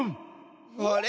あれ？